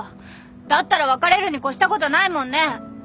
だったら別れるに越したことないもんね。